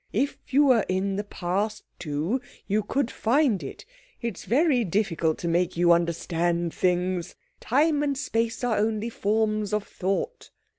If you were in the Past, too, you could find it. It's very difficult to make you understand things. Time and space are only forms of thought."